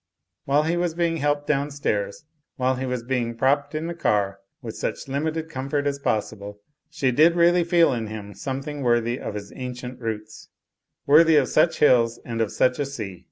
While he was being helped downstairs, while he was being propped in the car with such limited comfort as was possible, she did really feel in him something worthy of his ancient roots, worthy of such hills and of such a sea.